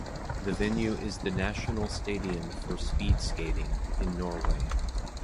The venue is the national stadium for speed skating in Norway.